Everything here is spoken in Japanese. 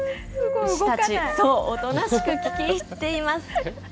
牛たち、おとなしく聞き入っています。